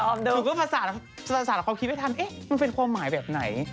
ผมก็ประสาทประสาทความคิดไม่ทันมันเป็นความหมายแบบไหน